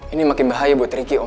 ini makin bahaya buat ricky oh